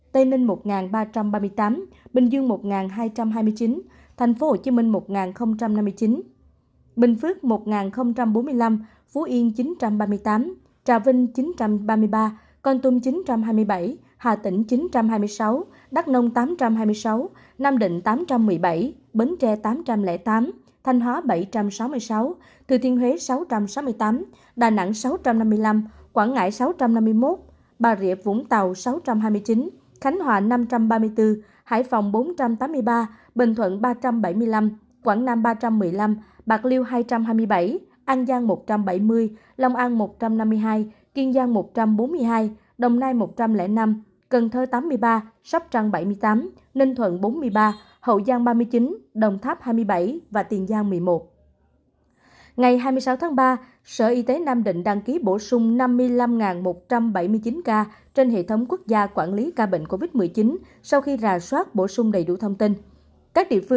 tây ninh một ba trăm ba mươi tám ca bình dương một hai trăm hai mươi chín ca thành phố hồ chí minh một năm mươi chín ca bình phước một bốn mươi năm ca phú yên chín trăm ba mươi tám ca trà vinh chín trăm ba mươi ba ca con tum chín trăm hai mươi bảy ca hà tĩnh chín trăm hai mươi sáu ca đắk nông tám trăm hai mươi sáu ca nam định tám trăm một mươi bảy ca bến tre tám trăm linh tám ca thanh hóa bảy trăm sáu mươi sáu ca thừa thiên huế sáu trăm sáu mươi tám ca đà nẵng sáu trăm năm mươi năm ca quảng ngãi sáu trăm năm mươi một ca bà rịa vũng tàu sáu trăm năm mươi một ca tây ninh một ba trăm ba mươi tám ca bình dương một hai trăm hai mươi chín ca thành phố hồ chí minh một năm mươi chín ca thành phố hồ chí minh một năm mươi chín ca thành phố hồ chí minh một năm mươi chín ca bình